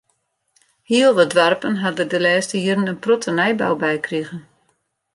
Hiel wat doarpen ha der de lêste jierren in protte nijbou by krige.